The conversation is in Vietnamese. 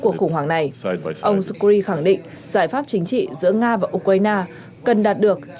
cuộc khủng hoảng này ông sukri khẳng định giải pháp chính trị giữa nga và ukraine cần đạt được